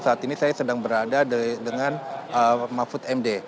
saat ini saya sedang berada dengan mahfud md